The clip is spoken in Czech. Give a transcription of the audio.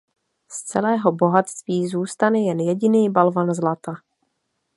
Z celého bohatství zůstane jen jediný balvan zlata.